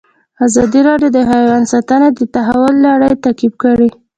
ازادي راډیو د حیوان ساتنه د تحول لړۍ تعقیب کړې.